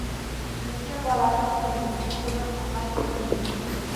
Nega bolani urdingiz? U bilib, xohlab to'kdimi?